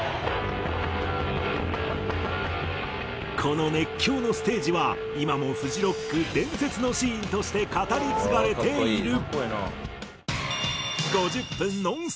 この熱狂のステージは今もフジロック伝説のシーンとして語り継がれている。